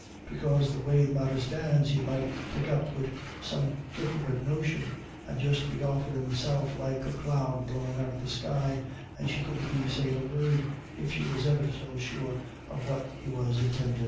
Because the way the matter stands, he might take up wid some diff'rint notion, and just be off wid himself like a cloud blown out of the sky, and she couldn't be sayin' a word, if she was ever so sure of what he was intindin'."